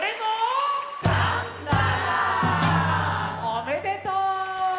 おめでとう！